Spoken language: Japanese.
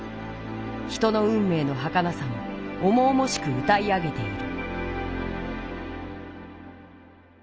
人のうんめいのはかなさをおもおもしく歌い上げている。